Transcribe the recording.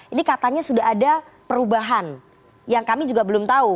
ini katanya sudah ada perubahan yang kami juga belum tahu